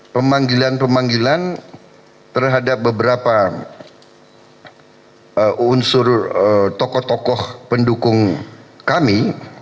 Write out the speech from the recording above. pemanggilan pemanggilan terhadap beberapa unsur tokoh tokoh pendukung kami